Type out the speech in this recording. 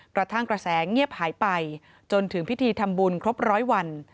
กระทั่งกระแสเงียบหายไปจนถึงพิธีทำบุญครบร้อยวัน